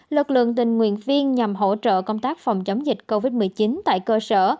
lực lượng tình nguyện viên nhằm hỗ trợ công tác phòng chống dịch covid một mươi chín tại cơ sở